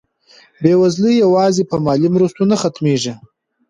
بېوزلي یوازې په مالي مرستو نه ختمېږي.